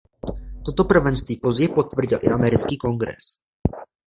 Toto prvenství později potvrdil i americký Kongres.